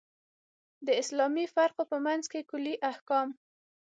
د اسلامي فرقو په منځ کې کُلي احکام.